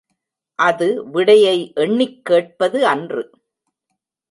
அது விடையை எண்ணிக் கேட்பது அன்று.